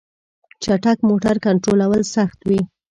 چټک موټر کنټرول سخت وي.